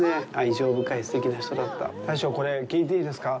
大将、これ、聞いていいですか？